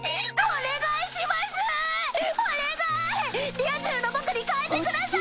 リア充の僕に変えてください！